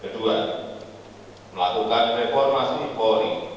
kedua melakukan reformasi polri